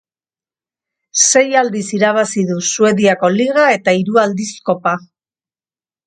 Sei aldiz irabazi du Suediako liga eta hiru aldiz kopa.